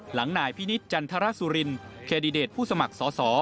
หลังหน่ายพินิษฐ์จันทราสุรินแคดิเดตผู้สมัครสอ